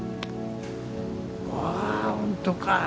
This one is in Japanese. わあほんとかぁ。